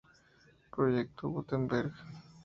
Proyecto Gutenberg.